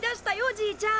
じいちゃん。